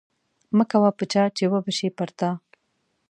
مه کوه په چا چې وبه شي پر تا